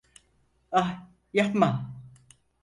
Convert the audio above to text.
Ah, yapma.